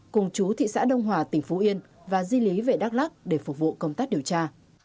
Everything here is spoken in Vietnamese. cùng chú thị xã đông hòa tỉnh phú yên và di lý về đắk lắc để phục vụ công tác điều tra